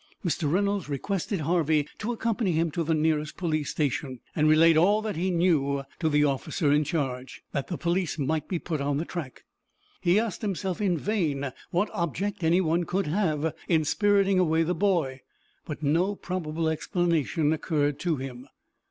Mr. Reynolds requested Harvey to accompany him to the nearest police station, and relate all that he knew to the officer in charge, that the police might be put on the track. He asked himself in vain what object any one could have in spiriting away the boy, but no probable explanation occurred to him.